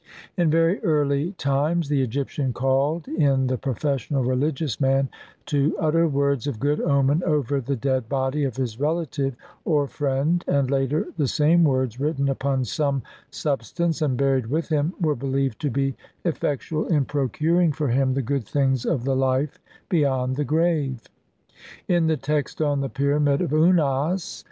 In very early times the Egyptian called in the professional religious man to utter words of good omen over the dead body of his relative or friend, and later the same words written upon some substance and buried with him were believed to be effectual in procuring for him the good things of the life beyond the grave. In the text on the pyramid of Unas (1.